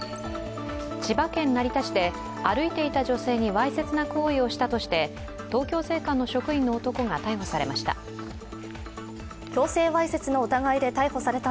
千葉県成田市で、歩いていた女性にわいせつな行為をしたとして東京税関の職員の男が逮捕されました。